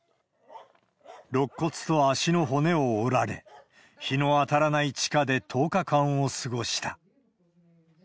ろっ骨と足の骨を折られ、日の当たらない地下で１０日間を過ごした。